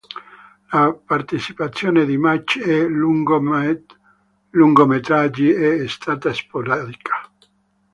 La partecipazione di Macht a lungometraggi è stata sporadica.